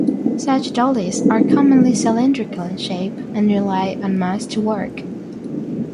Such dollies are commonly cylindrical in shape, and rely on mass to work.